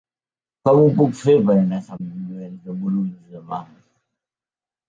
Com ho puc fer per anar a Sant Llorenç de Morunys demà?